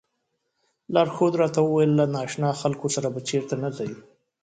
لارښود راته وویل له نا اشنا خلکو سره به چېرته نه ځئ.